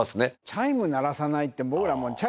チャイム鳴らさないって。